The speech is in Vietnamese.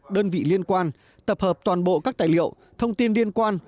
đơn vị liên quan tập hợp toàn bộ các tài liệu thông tin liên quan